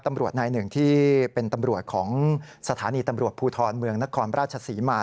ตำรวจนายหนึ่งที่เป็นตำรวจของสถานีตำรวจภูทรเมืองนครราชศรีมา